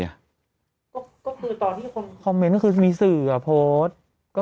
ก็คือตอนที่คอมเมนต์มีสื่อโพสต์